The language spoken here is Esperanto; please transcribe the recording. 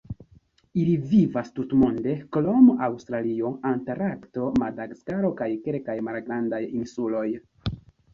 Ili vivas tutmonde krom Aŭstralio, Antarkto, Madagaskaro kaj kelkaj malgrandaj insuloj.